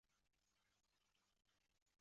干宁三年兼任吏部尚书。